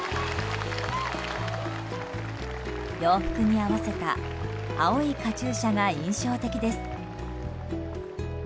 洋服に合わせた青いカチューシャが印象的です。